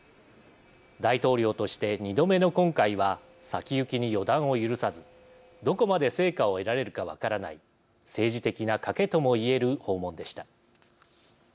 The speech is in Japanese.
大統領として２度目の今回は先行きに予断を許さずどこまで成果を得られるか分からない政治的な賭けとも言える訪問でした。